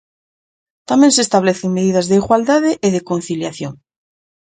Tamén se establecen medidas de igualdade e de conciliación.